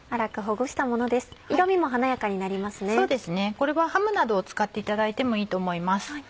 これはハムなどを使っていただいてもいいと思います。